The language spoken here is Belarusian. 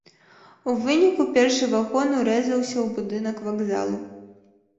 У выніку першы вагон урэзаўся ў будынак вакзалу.